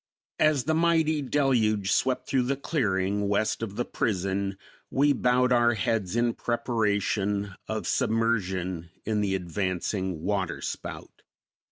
As the mighty deluge swept through the clearing west of the prison, we bowed our heads in preparation of submersion in the advancing waterspout.